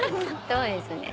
そうですね。